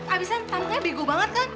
abisnya tampaknya bego banget kan